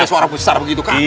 suara besar begitu